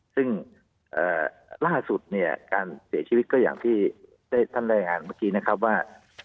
ซึ่งล่าสุดการเสียชีวิตก็อย่างที่ท่านแรงงานเมื่อกี้ว่า